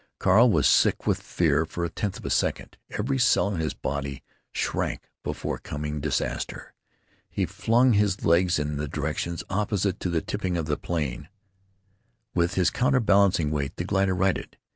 Carl was sick with fear for a tenth of a second. Every cell in his body shrank before coming disaster. He flung his legs in the direction opposite to the tipping of the plane. With this counter balancing weight, the glider righted.